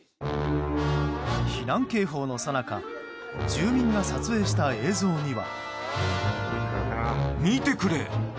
避難警報のさなか住民が撮影した映像には。